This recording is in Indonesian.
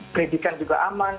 kredikan juga aman